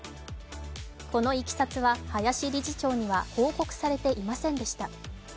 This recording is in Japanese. このいきさつは林理事長には報告されていませんでした。